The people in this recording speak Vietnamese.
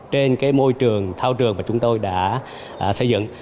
trên cái môi trường thao trường mà chúng tôi đã xây dựng